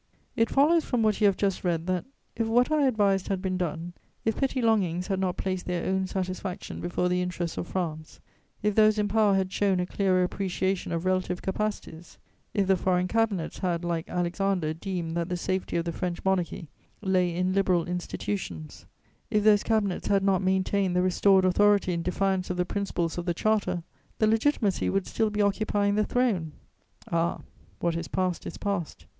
It follows from what you have just read that, if what I advised had been done, if petty longings had not placed their own satisfaction before the interests of France; if those in power had shown a clearer appreciation of relative capacities; if the foreign Cabinets had, like Alexander, deemed that the safety of the French Monarchy lay in Liberal institutions; if those Cabinets had not maintained the restored authority in defiance of the principles of the Charter, the Legitimacy would still be occupying the throne. Ah, what is past is past!